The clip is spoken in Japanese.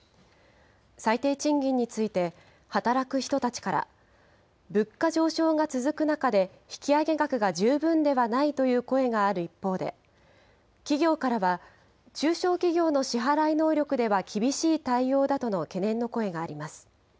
最低賃金について働く人たちから、物価上昇が続く中で、引き上げ額が十分ではないという声がある一方で、企業からは、中小企業の支払い能力では厳しい対応だとの懸念の声があります。